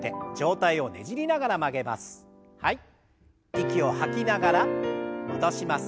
息を吐きながら戻します。